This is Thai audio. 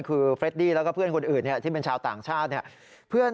คือเฟรดดี้แล้วก็เพื่อนคนอื่นที่เป็นชาวต่างชาติเนี่ย